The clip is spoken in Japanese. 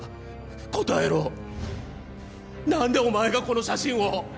答えろ、なんでお前がこの写真を？